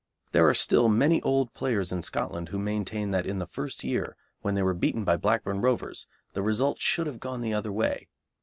There are still many old players in Scotland who maintain that in the first year, when they were beaten by Blackburn Rovers, the result should have gone the other way.